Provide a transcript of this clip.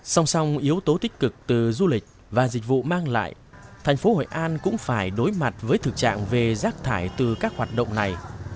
song song yếu tố tích cực từ du lịch và dịch vụ mang lại thành phố hội an cũng phải đối mặt với thực trạng về rác thải từ các hoạt động này